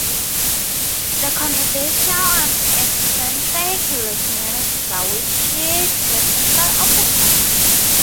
The controversial and eccentric Luciano Gaucci took control of the club.